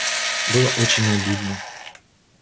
Было очень обидно.